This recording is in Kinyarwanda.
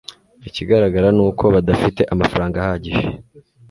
ikigaragara ni uko badafite amafaranga ahagije